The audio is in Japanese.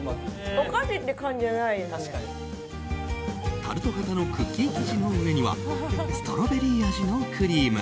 タルト型のクッキー生地の上にはストロベリー味のクリーム。